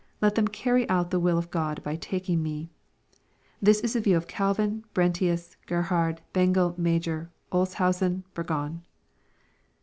Let them carry out the will of God, by taking me." This is the view of Calvin, Brentius, Gkr^ hard, Bengel, Major, Olshausen, Burgon.